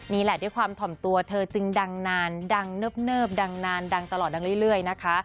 นี่แหละด้วยความถ่อมตัวเธอจึงดังนานดังเนิบดังนานดังตลอดดังเรื่อยนะคะ